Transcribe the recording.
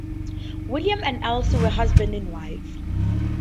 William and Elsie were husband and wife.